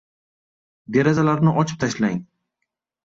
Derazalarni ochib tashlang.